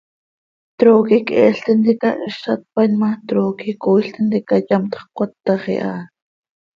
Trooqui cheel tintica hiza tpaain ma, trooqui cooil tintica yamtxö cöcatax iha.